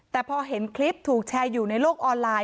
แต่พอเห็นคลิปถูกแชร์อยู่ในโลกออนไลน